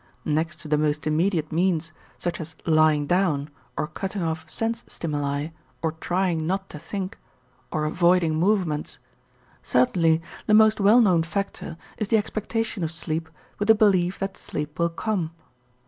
Next to the most immediate means such as lying down, or cutting off sense stimuli, or trying not to think, or avoiding movements, certainly the most well known factor is the expectation of sleep with the belief that sleep will come.